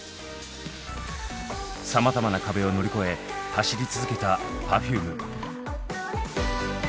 さまざまな壁を乗り越え走り続けたＰｅｒｆｕｍｅ。